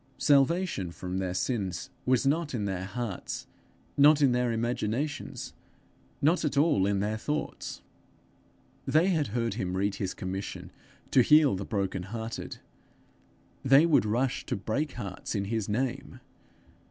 Salvation from their sins was not in their hearts, not in their imaginations, not at all in their thoughts. They had heard him read his commission to heal the broken hearted; they would rush to break hearts in his name.